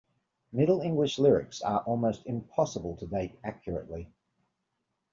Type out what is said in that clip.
Middle English Lyrics are almost impossible to date accurately.